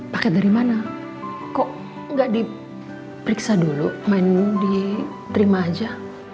paket dari mana kok nggak diperiksa dulu main diterima aja